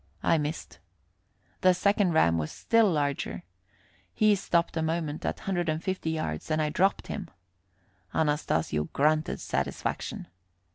I missed. The second ram was still larger. He stopped a moment at 150 yards and I dropped him. Anastasio grunted satisfaction.